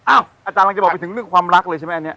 อาจารย์กำลังจะบอกไปถึงเรื่องความรักเลยใช่ไหมอันนี้